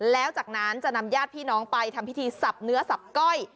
แล้วจากนั้นจะนำญาติพี่น้องไปทำพิธีสับเนื้อสับก้อย